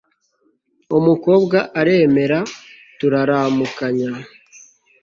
umukobwa aremera turaramukanya